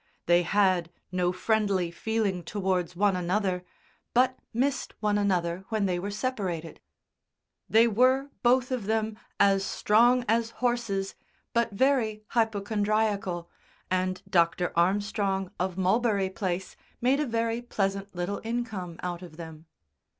They had no friendly feeling towards one another, but missed one another when they were separated. They were, both of them, as strong as horses, but very hypochondriacal, and Dr. Armstrong of Mulberry Place made a very pleasant little income out of them.